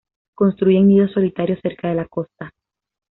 Construyen nidos solitarios cerca de la costa.